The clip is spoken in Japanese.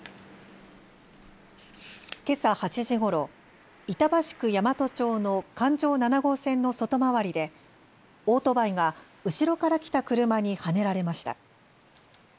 けさ８時ごろ板橋区大和町の環状７号線の外回りでオートバイが後ろから来た車にはねられました。